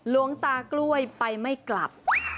หลวงตากล้วยไปไม่กลับ